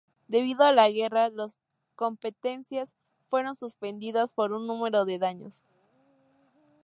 Debido a la guerra, las competencias fueron suspendidas por un número de años.